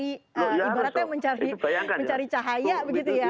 ini ibaratnya mencari cahaya begitu ya